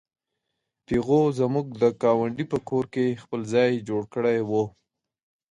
پيغو زموږ د ګاونډي په کور کې خپل ځای جوړ کړی و.